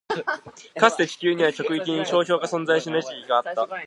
かつて、地球には極域に氷床が存在しない時期があった。